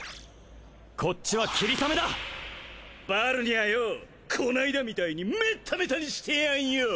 こっちはキリサメだバルニャーよぉこないだみたいにメッタメタにしてやんよ！